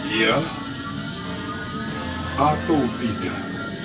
iya atau tidak